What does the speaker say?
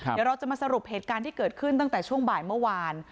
เดี๋ยวเราจะมาสรุปเหตุการณ์ที่เกิดขึ้นตั้งแต่ช่วงบ่ายเมื่อวาน